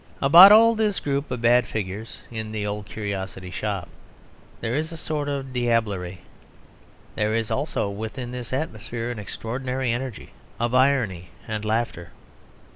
About all this group of bad figures in The Old Curiosity Shop there is a sort of diablerie. There is also within this atmosphere an extraordinary energy of irony and laughter.